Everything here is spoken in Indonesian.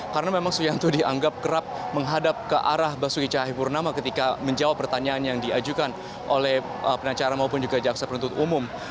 karena memang suyanto dianggap kerap menghadap ke arah basuki cahayapurnama ketika menjawab pertanyaan yang diajukan oleh penacara maupun juga jaksa penuntut umum